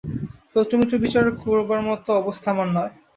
শত্রুমিত্র বিচার করবার মতো অবস্থা আমার নয়।